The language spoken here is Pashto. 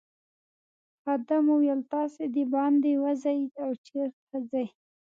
خادم وویل تاسي دباندې وزئ او چیرته ځئ.